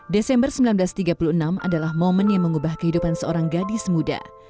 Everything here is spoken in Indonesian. desember seribu sembilan ratus tiga puluh enam adalah momen yang mengubah kehidupan seorang gadis muda